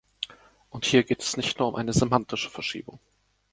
Und hier geht es nicht nur um eine semantische Verschiebung.